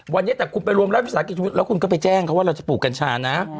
วันนี้แต่คุณไปรวมรัฐวิสาหกิจแล้วคุณก็ไปแจ้งเขาว่าเราจะปลูกกัญชานะ